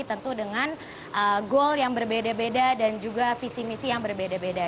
tentu dengan goal yang berbeda beda dan juga visi misi yang berbeda beda